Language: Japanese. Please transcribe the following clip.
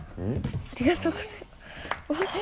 ありがとうございますおっ。